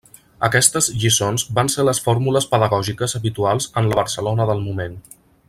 Aquestes lliçons van ser les fórmules pedagògiques habituals en la Barcelona del moment.